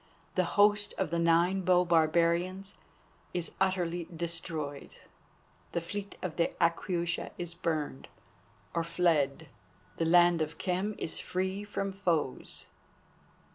The host of the Nine bow barbarians is utterly destroyed, the fleet of the Aquaiusha is burned, or fled, the land of Khem is free from foes.